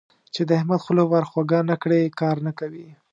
چې د احمد خوله ور خوږه نه کړې؛ کار نه کوي.